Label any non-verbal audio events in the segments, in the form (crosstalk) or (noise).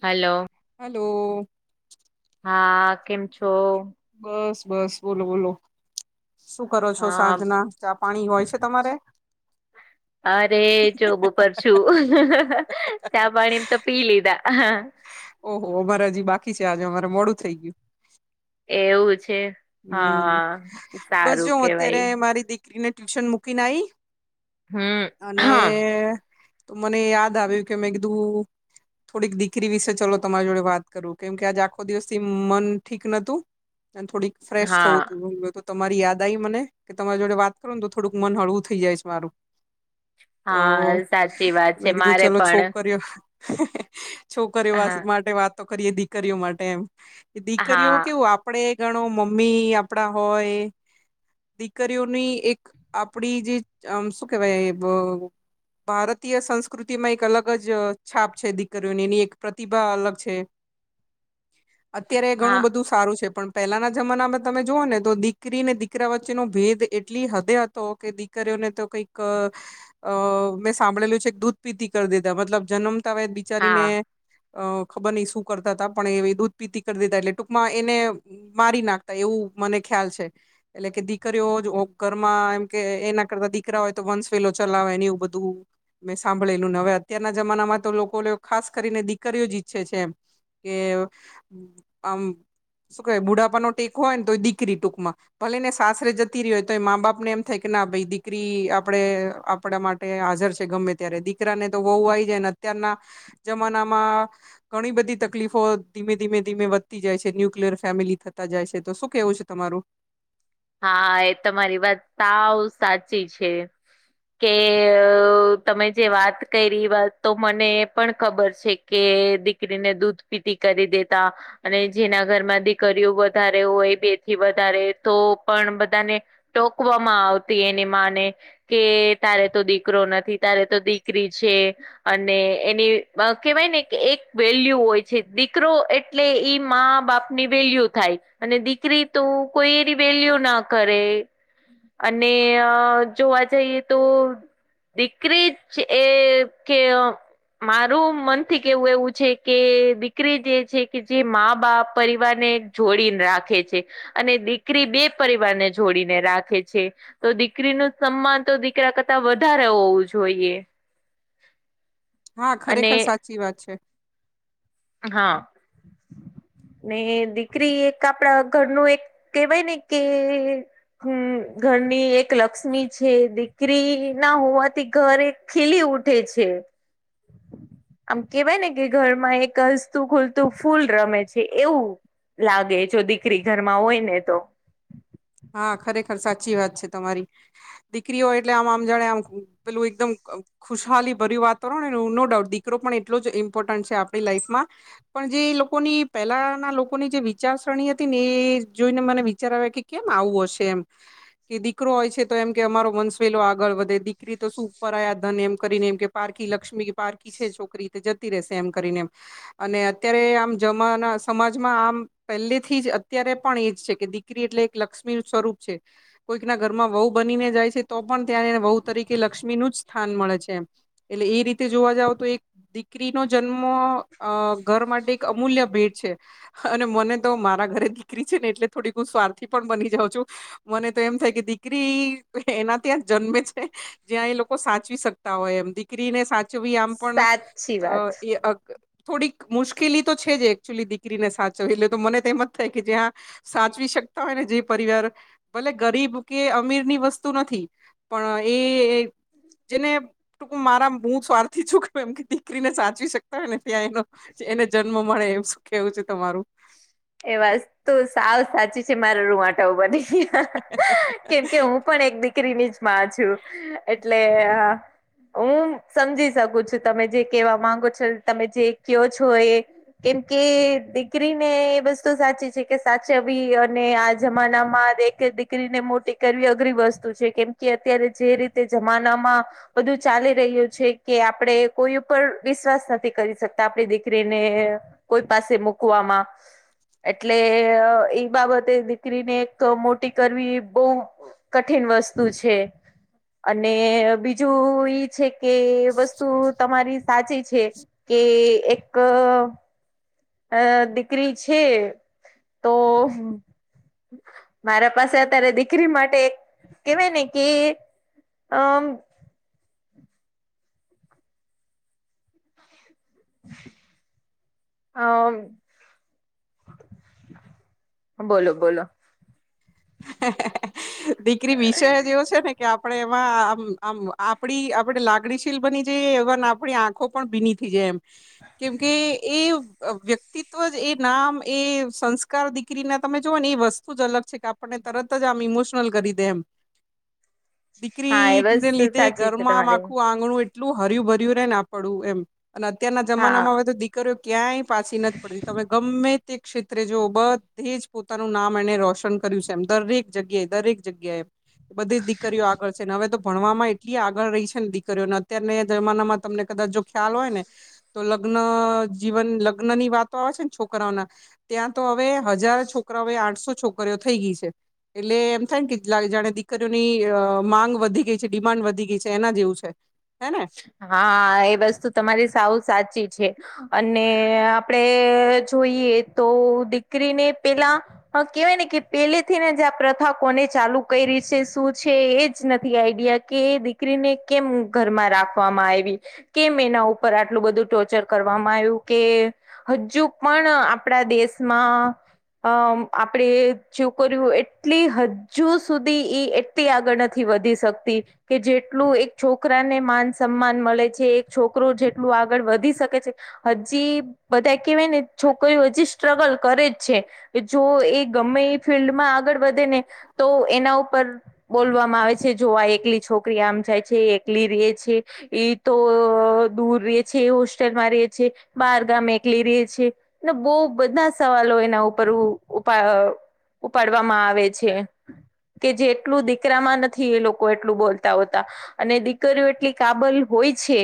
Hello, hello, હા કેમ છો? બસ બસ બોલો બોલો શું કરો છો હા સાંજના? ચા પાણી હોય છે તમારે? અરે જોબ ઉપર છું, હ ચા પાણી તો પી લીધા. ઓહો અમારે હજી બાકી છે આજે અમારે મોડું થઈ ગયું. એવું છે હ હમ હા સારું કેવાય. એને ટ્યુશન મૂકીને આવી હમ અને હા મને યાદ આવ્યું કે મેં કીધું થોડીક દીકરી વિશે ચલો તમારી જોડે વાત કરું કેમ કે આજ આખો દિવસથી મન ઠીક નહોતું. અને થોડીક ફ્રેશ હા થવું હતું. તો તમારી યાદ આવી મને કે તમારી જોડે વાત કરો ને તો થોડુંક મન હળવું થઈ જાય છે મારું. તો હા સાચી વાત મેં છે કીધું મારે ચલો પણ છોકરીઓ છોકરીઓ હા માટે વાતો કરીએ દીકરીઓ માટે એમ. દીકરીઓ હા કેવું આપડે ઘણો મમ્મી આપડા હોય, દીકરીઓની એક આપડી જે આમ શું કેવાય અ ભારતીય સંસ્કૃતિમાં એક અલગ જ છાપ છે દીકરીઓની એની એક પ્રતિભા અલગ છે. અત્યારે હા ઘણું બધું સારું છે પણ પહેલા નત જમાનામાં તમે જુઓ ને તો દીકરી ને દીકરા વચ્ચેનો ભેદ એટલી હદે હતો કે દિ દીકરીઓ ને તો કંઈક અ મેં સાંભળેલું છે એક દૂધ પીતી કરી દીધા મતલબ જન્મતા વેત હા બિચારીને અ ખબર નહી શું કરતા હતા પણ એ દૂધ પીતી કરી દીધા એટલે ટૂંકમાં એને મારી નાખતા એવું મને ખ્યાલ છે. એટલે કે દીકરીઓ ઘરમાં એમ કે એના કરતા દીકરા હોય તો વંશ વેલો ચલાવેને એવું બધું, મેં સાંભળેલું ને હવે અત્યારના જમાનામાં તો લોકો લ્યો ખાસ કરીને દીકરીઓ જ ઈચ્છે છે એમ કે આમ શું કેવાય બુઢાપાનો ટેકો હોય ને તો એ દીકરી ટૂંકમાં. ભલે ને સાસરે જતી રહી હોય તો એ મા બાપ ને એમ થાય કે ના ભાઈ દીકરી આપડે આપડા મા ટે હાજર છે ગમે ત્યારે દીકરાને તો વઉવ આવી જાય ને અત્યારના જમાનામાં ઘણી બધી તકલીફો ધીમે ધીમે ધીમે વધતી જાય છે ન્યુક્લયર ફેમિલી થ તા જાય છે તો શું કેવું છે તમારું? હા એ તમારી વાત સાવ સાચી છે. કે એ અ અ તમે જે વાત કરી વાત તો મને પણ ખબર છે કે દીકરીને દૂધ પીતી કરી દેતા અને જેના ઘરમાં દીકરીઓ વધારે હોય બે થી વધારે તો પણ બધાને ટોકવામાં આવતી એની માં ને કે તારે તો દીકરો નથી તારે તો દીકરી છે અને એની બ કેવાય ને કે એક વેલ્યુ હોય છે દીકરો એ ટલે ઈ મા બાપની વેલ્યુ થાય અને દીકરી તો કોઈ એની વેલ્યુ ના કરે અને અ જોવા જઈએ તો દીકરી જ એ કે ય મારું મનથી કેવું એવું છે કે દીકરી જે છે કે જે મા બાપ પરિવાર ને જોડીને રાખે છે અને દીકરી બે પરિવાર ને જોડીને રાખે છે. તો દીકરીનું સન્માન તો દીકરા કરતા વધારે હોવું જોઈએ. હા, અને ખરેખર સાચી વાત છે. હા અ ને દીકરી એક આપડા ઘરનું એક કહેવાય ને કે એ એ હમ્મ ઘરની એક લક્ષ્મી છે દીકરી ના હોવાથી ઘર એક ખીલી ઉઠે છે. આમ કેવાય ને કે ઘરમાં એક કસતું ખૂલતું ફૂલ રમે છે એવું લાગે જો દીકરી ઘરમાં હોય ને તો. હા ખરેખર સાચી વાત છે તમારી. દીકરી હોય એટલે આમ આમ જાણે આમ પેલું એકદમ ક ખુશહાલી ભર્યું વાતાવરણ હોયન નો ડાઉટ દીકરો પણ એટલો જ ઇમ્પોર્ટન્ટ છે આપણી લાઈફમાં પણ જે લોકોની પેલા ના લોકોની જે વિચારસરણી હતી ને એ જોઈને મને વિચાર આવે કે કેમ આવું હશે એમ કે દીકરો હોય છે તો એમ કે અમારો વંશ વેલો આગળ વધ કે દીકરી તો શું પરાયા ધન એમ કરીને એમ કે પારકી લક્ષ્મી કે પારકી છે છોકરી તે જતી રહેશે એમ કરીને એમ અને અત્યારે આમ જમાના સમાજમાં આમ પહેલેથી જ અત્યારે પણ એજ છે કે દીકરી એટલે એક લક્ષ્મીનુ સ્વરૂપ છે કોઈક ના ઘરમાં વહુ બનીને જાય છે તો પણ ત્યારે એને વહુ તરીકે લક્ષ્મીનું જ સ્થાન મળે છે એમ એટલે ઈ રીતે જોવા જાવ તો એક દીક રી નો જન્મ અ ઘર માટે એક અમૂલ્ય ભેટ છે અને મને તો મારા ઘરે દીકરી છે ને એટલે થોડીક હું સ્વાર્થી પણ બની જાઉં છું. મને તો એમ થાય કે દીકરી એના ત્યાં જ જન્મે છે જ્યાં એ લોકો સાચવી શકતા હોય એમ દીકરીને સાચવી આમ પણ સાચી અ વાત એ અગ અ થોડીક મુશ્કેલી તો છે જ એકચુઅલી દીકરીને સાચવી એટલે તો મને તેમ જ થાય કે જ્યાં સાચવી શકતા હોય ને જે પરિવાર ભલે ગરીબ કે અમીરની વસ્તુ નથી પણ એ ય એક જેને ટૂક મારા હું સ્વાર્થી છું (unintelligible) દીકરીને સાચવી શક હેને ત્યાં એનો એને જન્મ મળે એમ શું કેવું છે તમારું? એ વાતતુ સાવ સાચી છે મારા રૂવાટા ઉભા થઈ ગયા. (unintelligible) કેમ કે હું પણ એક દીકરીની જ માં છું એટલે અ હું સમજી શકું છું તમે જે કેવા માંગો છો તમે જે કેવો છો એ કેમ કે દીક દીકરીને એ વસ્તુ સાચી છે કે સાચવી અને આ જમાનામાં (unintelligible) દીકરીને મોટી કરવી અઘરી વસ્તુ છે કેમ કે અત્યારે જે રીતે જમાનામાં. બધું ચાલી રહ્યું છે કે આપણે કોઈ ઉપર વિશ્વાસ નથી કરી શકતા આપડી દીકરીને કોઈ પાસે મુકવામાં. એટલે અ ઈ બાબતે દીકરીને એક તો મોટી કરવી બો કઠિન વસ્તુ છે અને બીજું ઈ છે કે વસ્તુ તમારી સાચી છે કે એક અ દીકરી છે તો મારા પાસે અત્યારે દીકરી માટે કેવાય ને કે? અમ. અમ. બોલો બોલો. હે-હે-હે દીકરી વિષય જ એવો છે ને કે આપડે એમાં આમ આમ આપડી આપણે લાગણીશીલ બની જઈએ એવન આપણી આંખો પણ ભીની થઈ જાય એમ કેમકે એ વ્યક્તિત્વ જ એ નામ એ સંસ્કાર દી દીકરી ને તમે જોવો ને એ વસ્તુ જ અલગ છે કે આપણને તરત જ આમ ઇમોશનલ કરી દે એમ. હા એ દીકરી બસ ને લીધે સાચી છે ઘરમાં તમારી આખું આંગણું એટલું હરય્યું ભર્યું રેયને આપણુ એમ અને અત્યારના હા જમાનામાં હવે તો દીકરીઓ ક્યાંય પાછી નથી પડતી તમે ગમે તે ક્ષેત્રે જોઓ બધે જ પોતાનું નામ એને રોશન કર્યું છે એમ દરેક જગ્યાએ દરેક જગ્યાએ બધી દીકરીઓ આગળ છે ને હવે તો ભણવામાંય કેટલી આગળ રહી છે ને દીકરીઓને અત્યારેના એ જમાનામાં જો તમને કદાચ જો ખ્યાલ હોય ને તો લગ્ન જીવન લગ્ન ની વાતો આવે છે ને છોકરાઓના ત્યાં તો હવે હજાર છોકરા હવે આઠસો છોકરીઓ થઈ ગઈ છે. એટલે એમ થાય ને કેલા જાણે દીકરીઓની અ માંગ વધી ગઈ છે ડિમાન્ડ વધી ગઈ છે એના જેવું છે. હેને. હા એ વસ્તુ તમારી સાવ સાચી છે. અને આપડે જોઈએ તો દીકરીને પેલા હા કેવાય ને પેલે થી ને જ પ્રથા કોને ચાલુ કયરી છે શું છે એજ નથી આઈડિયા કે એ દીકરીને કેમ ઘરમાં રાખવામાં આયવી કેમ એના ઉપર આટલું બધું ટોર્ચર કરવામાં આવ્યું કે હજુ પણ આપણા દેશમાં અ આપડે છોકર્યું એટલી હજુ સુધી એ એટલી આગળ નથી વધી શકતી કે જેટલું એક છોકરાને માન સન્માન મળે છે એક છોકરો જેટલું આગળ વધી શકે છે હજી બધા કેવાય ને છોકરીઓ હજી સ્ટ્રગલ કરે જ છે. જો એ ગમે એ ફિલ્ડમાં આગળ વધે ને તો એના ઉપર બોલવામાં આવે છે જો આ એકલી છોકરી આમ જાય છે એકલી રીયે છે. એ તો દૂર રીયે છે એ હોસ્ટેલમાં રીયે છે. બહાર ગામ એકલી રેય છે ને બહુ બધા સવાલો એના ઉપર ઉપા અહ ઉપાડવામાં આવે છે. કે જેટલું દીકરામાં નથી એ લોકો એટલું બોલતા હોતા અને દીકરીઓ એટલી કાબલ હોય છે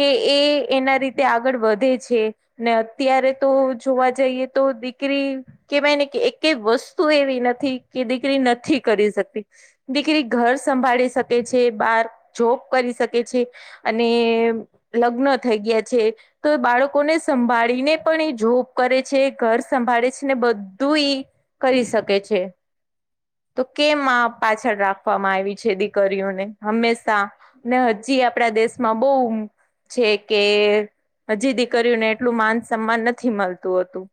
કે એ એના રીતે આગળ વધે છે. ને અત્યારે તો જોવા જઈએ તો દીકરી કેહવાય ને કે એકે વસ્તુ એવી નથી કે દીકરી નથી કરી શકતી. દીકરી ઘર સંભાળી શકે છે બાર જોબ કરી શક કે છે અને લગ્ન થઈ ગયા છે. તો બાળકોને સંભાળીને પણ એ જોબ કરે છે ઘર સંભાળે છે ને બધુ ઈ કરી શકે છે. તો કેમ આ પાછળ રાખવામાં આયવી છે દીકરીઓને હંમેશા. ને હજી આપડા દેશમાં બઉ છે કે હજી દીકરીયોને એટલું માન સન્માન નથી મલતું હતું.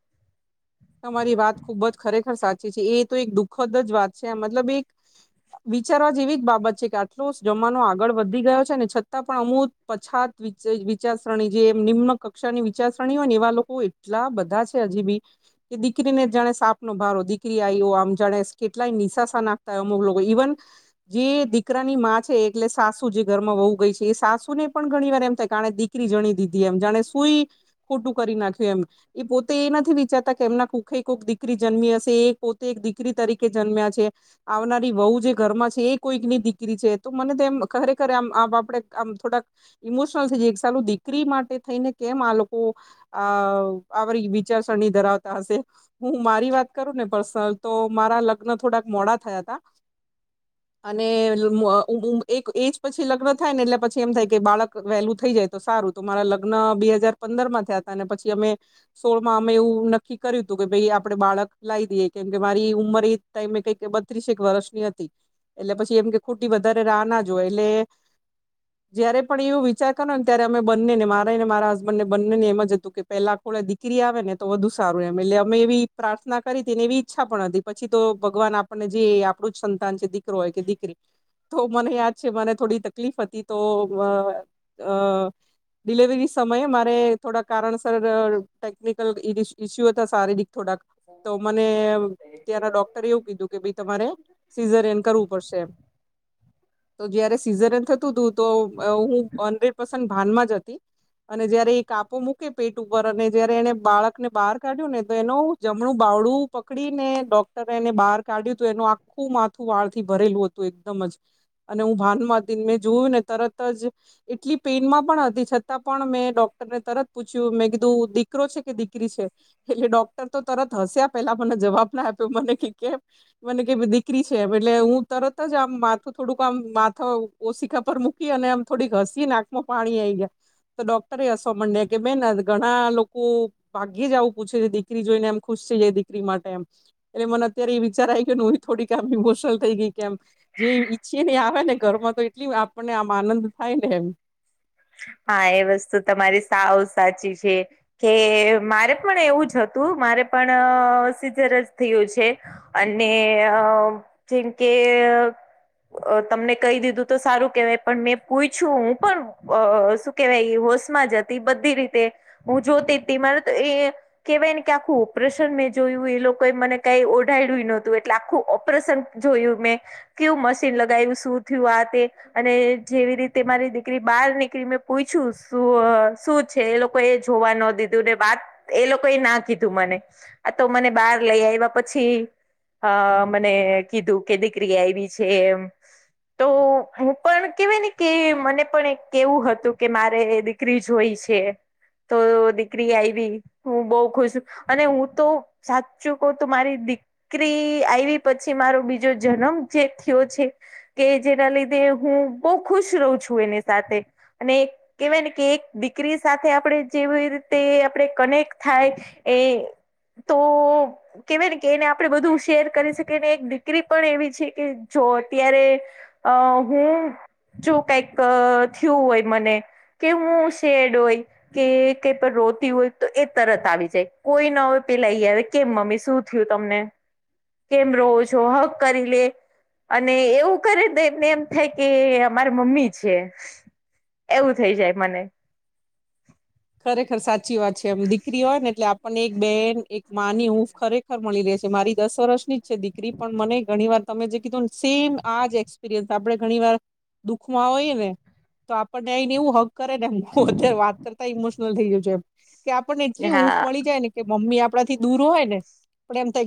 તમારી વાત ખૂબ જ ખરેખર સાચી છે એ તો એક દુઃખદ જ વાત છે મતલબ એક વિચારવા જેવીજ બાબત છે કે આટલો જમાનો આગળ વધી ગયો છે ને છતાં પણ અમુક પછાત વિચારસરણી જે નિમ્ન કક્ષાની વિચારસરણી હોય ને એવા લોકોએ એટલા બધા છે હજી બી. કે દીકરીને જાણે સાપ નો ભારો દીકરી આય. આમ જાણે કેટલાય નિશાસા નાખતા હોય છે અમુક લોકો ઇવન જે દીકરાની માં છે એટલે સાસુ જે ઘરમાં વવું ગઈ છે એ સાસુ ને પણ ઘણી વાર એમ થાય કે આપણે દીક રી જણી દીધી એમ, જાણે સુઈ ખોટું કરી નાખ્યું એમ એ પોતે એ નથી વિચાર નથી કે એમના કુખે કોક દીકરી જન્મી હશે એ પોતે એક દીકરી તરીકે જન્મ્યા છે. આવનારી વહુ જે ઘરમાં છે એ કોઈક ની દીકરી છે તો મને એમ ખરેખરે આમ આપડે આમ થોડાક ઇમોશનલ થઈ જાય, સાલુ દીકરી માટે થઈને કેમ આ લોકો આ આવરી વિચારસરણી ધરાવ તા હશે. હું મારી વાત કરું ને પર્સનલ તો મારા લગ્ન થોડાક મોડા થયા તા. હ અને હું મ બઉ એક એજ પછી થાય ને એટલે પછી એમ થાય કે બાળક વહેલું થઈ જાય તો સારું તો મારા લગ્ન બે હાજાર પંદર માં થયા હતા અને પછી અમે સોળમાં અમે એવું ન કી કર્યું હતું કે ભાઈ આપણે બાળક લાવી દઈએ કેમ કે મારી ઉંમર એ ટાઈમે કઈ બત્રીસક વર્ષની હતી. એટલે પછી એમ કે ખોટી વધારે રાહ ના જોય એટલે જયારે પણ એવું વિચાર કરો ને ત્યારે અમે બંનેને મારાને મારા હસબન્ડ ને બંનેને એમ જ હતું કે પેલા ખોળે દીકરી આવે ને તો વધુ સારું એમ, એટલે અમે એવી પ્રાર્થના કરી હતી ને એવી ઈચ્છા પણ હતી. પછી તો ભગવાન આપણને જે આપણું જ સંતાન છે દીકરો હોય કે દીકરી. તો મને યાદ છે મને થોડી તકલીફ હતી તો અ અ ડિલેવરી સમયે મારે થોડાક કારણ સર ટેકનિકલ ઇસ્યુ હતા શારીરિક થોડાક. તો મને ત્યારે ડોક ટરે એવુ કીધું કે ભઈ તમારે સીઝરિયન કરવું પડશે તો જયારે સીઝરિયન થતું તુ તો હું અંદર પર પન ભાનમાં જ હતી અને જયારે એ કાપો મૂકે પેટ ઉપર અને જયારે એણે બાળક ને બહાર કાઢ્યું ને તો એનું જમણું બાવળું પકડીને ડોક્ટરે એને બહાર કાઢ્યું તો એનો આ ખું માથું વાળ થી ભરેલું હતું એકદમ જ. અને હું ભાનમાં હતી મેં જોયું ને તરત જ એટલી પેઇનમાં પણ હતી છતાં પણ મેં ડોક્ટરને તરત પૂછ્યું મેં કીધું દીકરો છે દીક રી છે એટલે ડોક્ટર તો તરત હસ્યા પેહલા મને જવાબ ના આપ્યો મને કે કેમ મને કે દીકરી છે એટલે હું તરત જ આમ માથું થોડુંક આમ માથા ઓશિકા પર મૂકી અને આમ થોડીક હસી નાકમાં પાણી આઈ ગયા. તો ડોક્ટરે હસો માંડ્યા કે બેન ઘણા લોકો ભાગ્યે જ આવું પૂછે છે દીકરી જોઈને એમ ખુશ છે જે દીકરી માટે એમ. એટલે મને અત્યારે એ વિચાર આવી ગયો હ થોડીકમ ઇમોશનલ થઈ ગઈ. કેમ જે ઈચ્છીે આવે ને ઘરમાં તો એટલી આપણને આમ આનંદ થાય ને એમ. હા એ વસ્તુ તમારી સાવ સાચી છે. કે મારે પણ એવું જ હતું મારે પણ અહ સીજરસ થયું છે. અને અહ જેમ કે અહ તમને કહી દીધું તો સારું કેહેવાય પણ મેં પૂછછું હું પણ અહ શું કેવાય હોશ માં જ હતી બધી રીતે હું જોતી જ હતી મારે તો એ કેહેવાય કે આખું ઓપરેશન મેં જોયું એ લોકોએ મને કઈ ઓઢડ્યું નહોતું એટલે આખું ઓપરેશન જોયું મેં કયું મશીન લગાવું શું થયું આ તે અને જેવી રીતે મારી દીકરી બહાર નીકળી મેં પૂછ્યું શું અહ શું છે એ લોકો એ જોવા ન દીધું ને વાત એ લોકોએ ના કીધું મને આ તો મને બાર લઈ આવ્યા પછી હા મને કીધું કે દીકરી આવી છે એમ. તો હું પણ કેવાય ને કે મને પણ એક કેવું હતું કે મારે એ દીકરી જોઈ છે. તો દીકરી આઈવી હું બહુ ખુશ છું અને હું તો સાચું કો તો મારી દી કરી આવી પછી મારો જન્મ જે થયો છે કે જેના લીધે હું બહુ ખુશ રહું છું એની સાથે અને કેવાય ને કે એક દીકરી સાથે આપડે જેવી રીતે આપડે કનેક્ટ થાય એ તો કેવાય ને કે એને આપડે બધું શેર કરી શકીએને એક દીકરી પણ એવી છે કે જો અત્યારે અહ હું જો કઈક અહ થયું હોય મને કે હું શેડ હોય કે કઈ પણ રોતી હોય તો એ તરત આવી જાય કોઈ ના હોય પેલા એ આવે. કેમ મમ્મી શું થયું તમને. કેમ રહો છો હક કરી લે. અને એવું કરે તો એમને એમ થાય કે મારે મમ્મી છે. એવું થઇ જાય મને. ખરેખર સાચી વાત છે એમ દીકરી હોય ને એટલે આપને એક બેહેન એક માની ઊંફ ખરેખર મળી રહે છે. મારી દસ વર્ષની જ છે દીકરી પણ મને ઘણી વાર તમે જે કીધુંને સેમ આજ એક્સપિરિયન્સ આપડે ઘણી વાર દુખમાં હોઈએ ને તો આપણને અને એવું હક કરે પોતે વાત કર ત ઇમોશનલ થઈ જય છે એમ કે આપણને એટલી હા ઊંફ મળી જાય ને કે મમ્મી આપડાથી દૂર હોય ને પણ એમ થાય